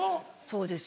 そうです